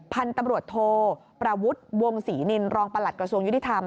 พันธุ์ตำรวจโทประวุฒิวงศรีนินรองประหลัดกระทรวงยุติธรรม